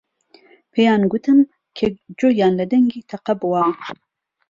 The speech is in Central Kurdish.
پێیان گوتم کە گوێیان لە دەنگی تەقە بووە.